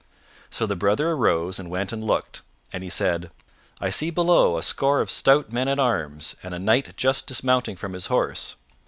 So the brother arose and went and looked, and he said, "I see below a score of stout men at arms and a knight just dismounting from his horse.